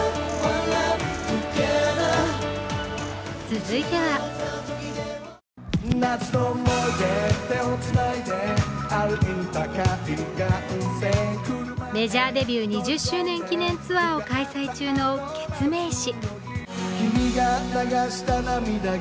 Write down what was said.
続いてはメジャーデビュー２０周年記念ツアーを開催中のケツメイシ。